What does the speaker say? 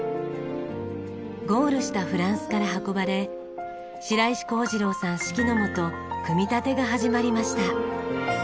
ゴールしたフランスから運ばれ白石康次郎さん指揮の下組み立てが始まりました。